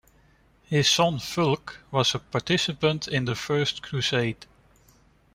His son Fulk was a participant in the First Crusade.